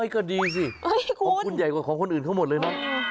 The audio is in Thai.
ก็ดีสิของคุณใหญ่กว่าของคนอื่นเขาหมดเลยเนอะ